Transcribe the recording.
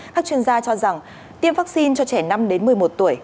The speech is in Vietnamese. các chuyên gia cho rằng tiêm vaccine cho trẻ năm đến một mươi một tuổi